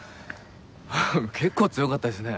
結構強かったですね。